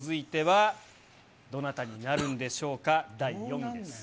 さあ、続いてはどなたになるんでしょうか、第４位です。